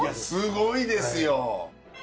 いやすごいですよ。